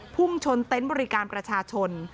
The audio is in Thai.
พุ่งชนเต็นต์บริการประชาชน